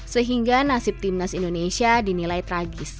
sehingga nasib timnas indonesia dinilai tragis